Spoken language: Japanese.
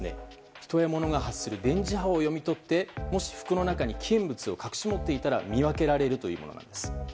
人や物が発する電磁波を読み取りもし服の中に危険物を隠し持っていたら見分けられるものなんです。